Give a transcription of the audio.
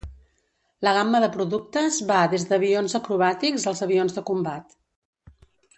La gamma de productes va des d'avions acrobàtics als avions de combat.